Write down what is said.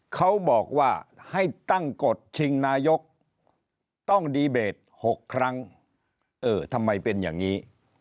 เขาบอกว่าให้ตั้งกฎชิงนายกต้องดีเบต๖ครั้งเออทำไมเป็นอย่างนี้